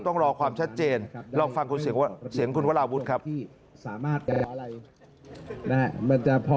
ต้องรอความชัดเจนลองฟังคุณเสียงคุณวราวุฒิครับพี่